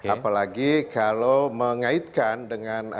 apalagi kalau mengaitkan dengan